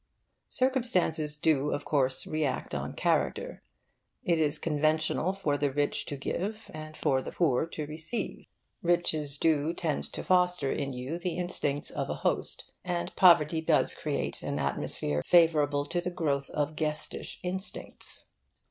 Circumstances do, of course, react on character. It is conventional for the rich to give, and for the poor to receive. Riches do tend to foster in you the instincts of a host, and poverty does create an atmosphere favourable to the growth of guestish instincts.